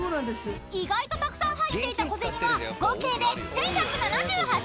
［意外とたくさん入っていた小銭は合計で１，１７８円］